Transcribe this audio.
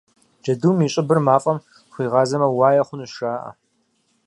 Джэдум и щӏыбыр мафӏэм хуигъазэмэ, уае хъунущ, жаӏэ.